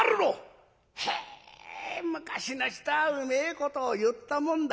へえ昔の人はうめえことを言ったもんだ。